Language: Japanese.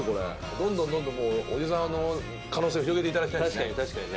どんどんどんどんおじさんの可能性を広げていただきたいですね。